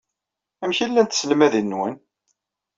Amek ay llant tselmadin-nwen?